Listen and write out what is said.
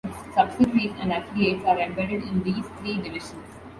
Its subsidiaries and affiliates are embedded in these three divisions.